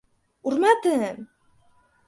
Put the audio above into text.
— Urmadim!